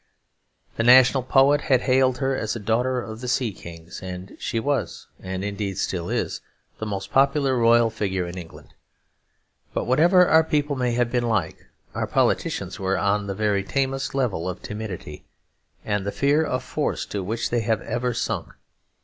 The national poet had hailed her as a daughter of the sea kings; and she was, and indeed still is, the most popular royal figure in England. But whatever our people may have been like, our politicians were on the very tamest level of timidity and the fear of force to which they have ever sunk.